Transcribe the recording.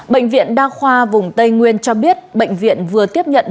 bệnh viện đa khoa vùng tây nguyên cho biết bệnh viện vừa tiếp tục điều tra